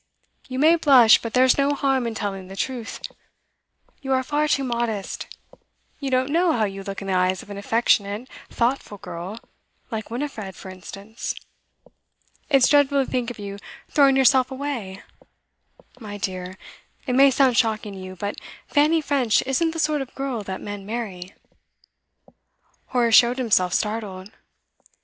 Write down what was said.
You may blush, but there's no harm in telling the truth. You are far too modest. You don't know how you look in the eyes of an affectionate, thoughtful girl like Winifred, for instance. It's dreadful to think of you throwing yourself away! My dear, it may sound shocking to you, but Fanny French isn't the sort of girl that men marry.' Horace showed himself startled.